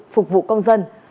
phục vụ công dân